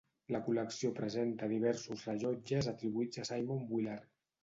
La col·lecció presenta diversos rellotges atribuïts a Simon Willard.